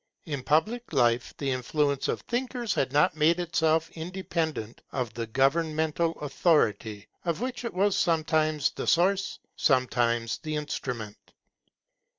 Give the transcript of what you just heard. In public life the influence of thinkers had not made itself independent of the governmental authority, of which it was sometimes the source, sometimes the instrument.